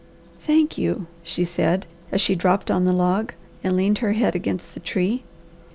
"Thank you!" she said as she dropped on the log and leaned her head against the tree.